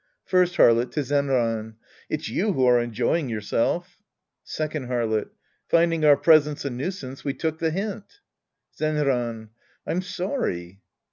First Harlot {to Zenran). It's you who are enjoy ing yourself. Second Harlot. Finding our presence a nuisance, we took the Mnt. Zenran. I'm sorry.